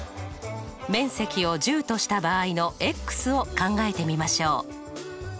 面積を１０とした場合のを考えてみましょう。